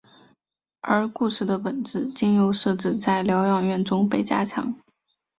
而故事的本质经由设置在疗养院中被加强。